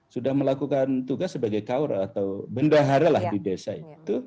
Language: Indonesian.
sudah melakukan tugas sebagai kaur atau bendahara lah di desa itu